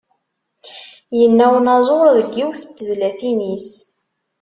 Yenna unaẓuṛ deg yiwet n tezlatin-is.